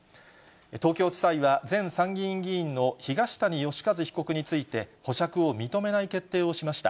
東京地裁は、前参議院議員の東谷義和被告について、保釈を認めない決定をしました。